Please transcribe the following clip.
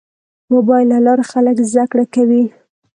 د موبایل له لارې خلک زده کړه کوي.